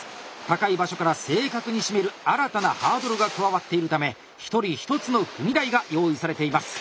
高い場所から正確に締める新たなハードルが加わっているため一人一つの踏み台が用意されています。